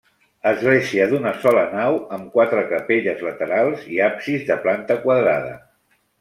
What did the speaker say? Església d'una sola nau amb quatre capelles laterals i absis de planta quadrada.